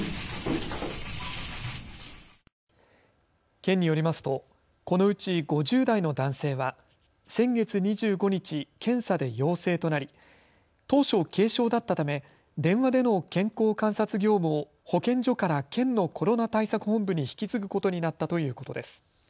県によりますとこのうち５０代の男性は先月２５日、検査で陽性となり当初、軽症だったため電話での健康観察業務を保健所から県のコロナ対策本部に引き継ぐことになったということです。